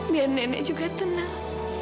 biar nenek juga tenang